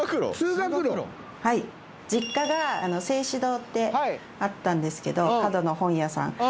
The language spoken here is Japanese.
通学路⁉実家が誠志堂ってあったんですけど角の本屋さん。